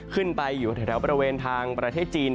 ขึ้นไปอยู่แถวบริเวณทางประเทศจีน